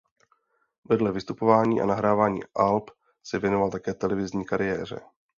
Vedle vystupování a nahrávání alb se věnoval také televizní kariéře.